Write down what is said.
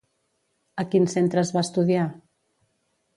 A quins centres va estudiar?